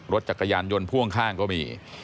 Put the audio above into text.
รถจักรยานยนต์พ่วงข้างก็มี